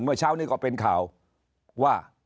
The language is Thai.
เมื่อเช้านี้ก็เป็นข่าวว่า